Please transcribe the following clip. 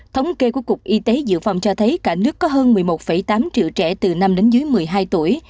thống kê của cục y tế dự phòng cho thấy cả nước có hơn một mươi một tám triệu trẻ từ năm đến dưới một mươi hai tuổi